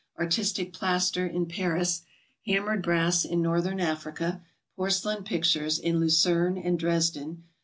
Artistic plaster, in Paris. Hammered brass, in Northern Africa. Porcelain pictures, in Lucerne and Dresden.